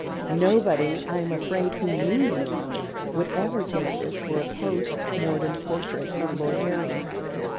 Nobody, I am afraid, who knew you, would ever take this for a post mortem portrait of Lord Harry.